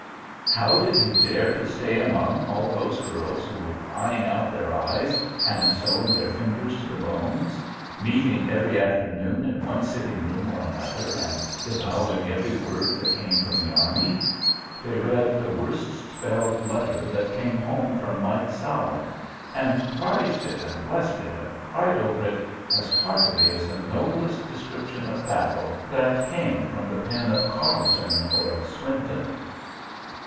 How did he dare stay among all those girls who were crying out their eyes, and sewing their fingers to the bones, meeting every afternoon in one sitting room or another, and devouring every word that came from the army? They read the worst spelled letter that came home from Mike Sawin, and prized it and blessed it and cried over it, as heartily as the noblest description of battle that came from the pen of Carleton or of Swinton.